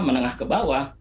menengah ke bawah